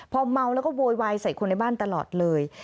พอเมาแล้วก็โวยวายใส่คนในบ้านตลอดเลย